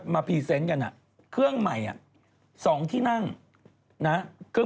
ไม่ใช่ผมเคยนั่งหรือ